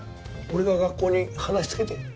俺が学校に話つけてやる。